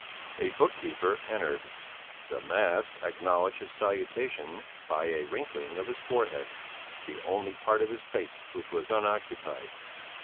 A book keeper entered. The mask acknowledged his salutation by a wrinkling of his forehead, the only part of his face which was unoccupied.